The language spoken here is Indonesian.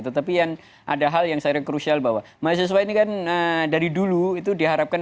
tetapi yang ada hal yang saya krusial bahwa mahasiswa ini kan dari dulu itu diharapkan